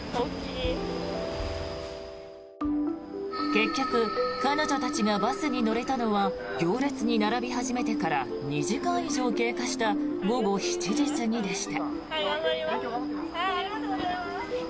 結局、彼女たちがバスに乗れたのは行列に並び始めてから２時間以上が経過した午後７時過ぎでした。